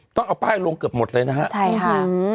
ต้องเอาป้ายลงเกือบหมดเลยนะฮะใช่ค่ะ